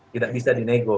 tidak bisa dinego